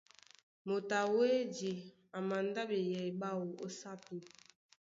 Moto a wedí a mandá ɓeyɛy ɓáō ó sápi.